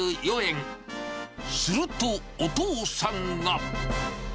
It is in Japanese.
すると、お父さんが。